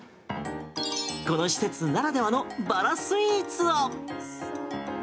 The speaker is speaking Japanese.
この施設ならではのバラスイーツを。